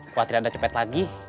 khawatir ada copet lagi